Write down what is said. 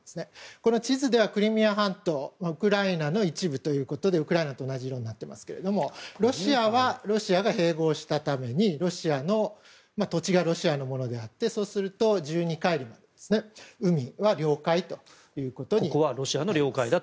これは地図ではクリミア半島ウクライナの一部ということでウクライナと同じ色になっていますけれどもロシアはロシアが併合したために土地はロシアのものであってそうすると、１２カイリの海は領海ということになります。